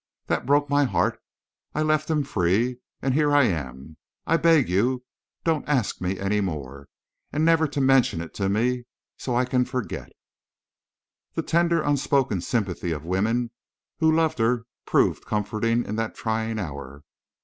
That broke my heart. I left him free—and here I am.... I beg you—don't ask me any more—and never to mention it to me—so I can forget." The tender unspoken sympathy of women who loved her proved comforting in that trying hour.